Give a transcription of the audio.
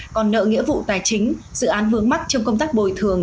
còn nợ nghĩa vụ tài chính dự án vướng mắc trong công tác bồi thường